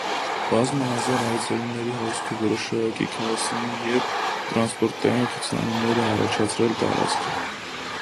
Բազմահազար այցելուների հոսքը որոշակի քաոսային և տրանսպորտային խցանումներ է առաջացրել տարածքում։